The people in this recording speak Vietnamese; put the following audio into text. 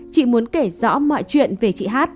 giải rõ mọi chuyện về chị h